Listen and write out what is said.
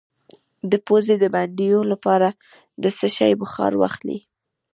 د پوزې د بندیدو لپاره د څه شي بخار واخلئ؟